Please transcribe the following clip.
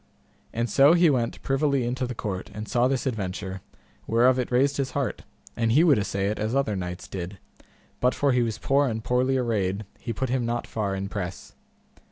And so he went privily into the court, and saw this adventure, whereof it raised his heart, and he would assay it as other knights did, but for he was poor and poorly arrayed he put him not far in press.